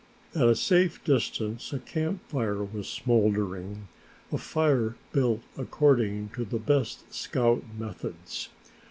At a safe distance a camp fire was smoldering, a fire built according to the best scout methods.